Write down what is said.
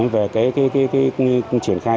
về triển khai